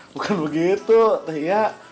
bukan begitu teh iya